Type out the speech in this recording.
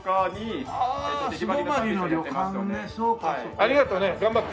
ありがとうね。頑張って。